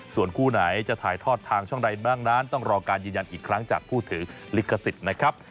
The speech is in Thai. ส่วนคู่ไหนจะถ่ายทอดทางช่องใดบ้างนั้นต้องรอการยืนยันอีกครั้งจากผู้ถือลิขสิทธิ์นะครับ